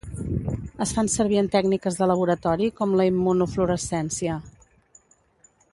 Es fan servir en tècniques de laboratori com la immunofluorescència.